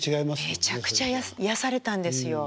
めちゃくちゃ癒やされたんですよ。